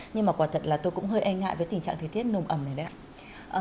nhưng mà quả thật là tôi cũng hơi e ngại với tình trạng thời tiết nồm ẩm này đấy ạ